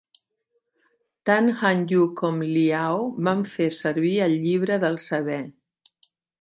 Tant Han Yu com Li Ao van fer servir el "llibre del saber".